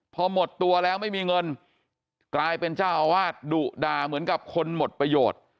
พอหมดตัวแล้วไม่มีเงินกลายเป็นเจ้าอาวาสดุด่าเหมือนกับคนหมดประโยชน์